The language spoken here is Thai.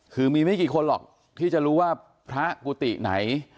คือมีไม่กี่คนหรอกที่จะรู้ว่าพระกุฏิไหน